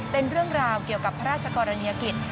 เป็นเรื่องราวเกี่ยวกับพระราชกรณียกิจ